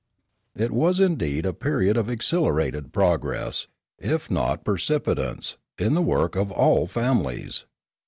It was indeed a period of accelerated progress, if not of precipitance, in the work of all families.